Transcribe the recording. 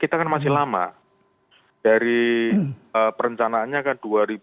kita kan masih lama dari perencanaannya kan dua ribu dua puluh